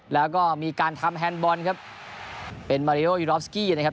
แล้วก็มีการทำแฮนด์บอลครับเป็นมาริโอยูรอฟสกี้นะครับ